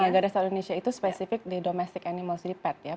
jadi garda satwa indonesia itu spesifik di domestic animals di pet ya